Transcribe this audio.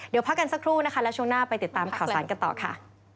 เดี๋ยวพักกันสักครู่นะคะแล้วช่วงหน้าไปติดตามข่าวสารกันต่อค่ะ